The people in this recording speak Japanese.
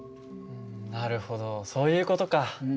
なるほどそういう事か。